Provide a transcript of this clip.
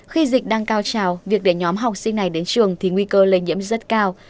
khi dịch đang cao trào việc để nhóm học sinh này đến trường thì nguy cơ lây nhiễm rất cao